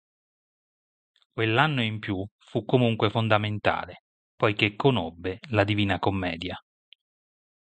Quell'anno in più fu comunque fondamentale poiché conobbe la "Divina Commedia".